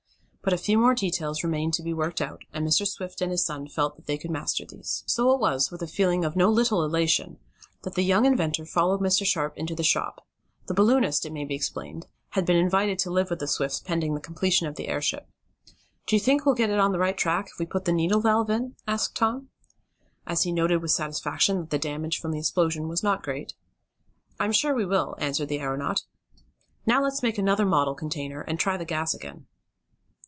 But a few more details remained to be worked out, and Mr. Swift and his son felt that they could master these. So it was with a feeling of no little elation, that the young inventor followed Mr. Sharp into the shop. The balloonist, it may be explained, had been invited to live with the Swifts pending the completion of the airship. "Do you think we'll get on the right track if we put the needle valve in?" asked Tom, as he noted with satisfaction that the damage from the explosion was not great. "I'm sure we will," answered the aeronaut. "Now let's make another model container, and try the gas again."